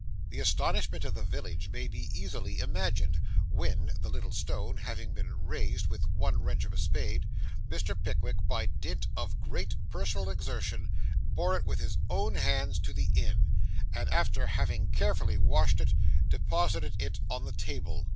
The astonishment of the village may be easily imagined, when (the little stone having been raised with one wrench of a spade) Mr. Pickwick, by dint of great personal exertion, bore it with his own hands to the inn, and after having carefully washed it, deposited it on the table.